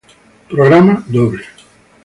Programa doble.